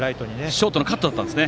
ショートのカットがあったんですね。